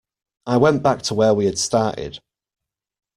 I went back to where we had started.